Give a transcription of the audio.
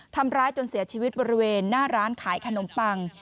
ทำร้ายจนเสียชีวิตบริเวณหน้าร้านขายขนมปัง